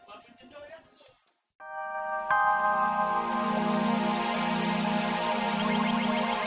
amin ya tuhan